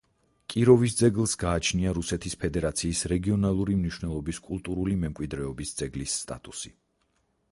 კიროვის ძეგლს გააჩნია რუსეთის ფედერაციის რეგიონალური მნიშვნელობის კულტურული მემკვიდრეობის ძეგლის სტატუსი.